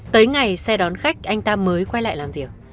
tới ngày xe đón khách anh tam mới quay lại làm việc